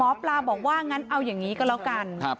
หมอปลาบอกว่างั้นเอาอย่างนี้ก็แล้วกัน